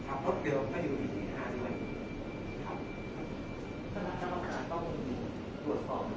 เอ่อพูดเลยครับคือมันมีหลายข้อค้าไง